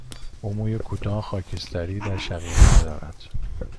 او موی کوتاه، خاکستری در شقیقه ها دارد.